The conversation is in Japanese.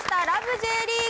Ｊリーグ』。